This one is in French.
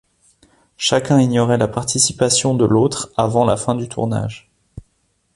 Chacun ignorait la participation de l'autre avant la fin du tournage.